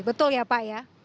betul ya pak ya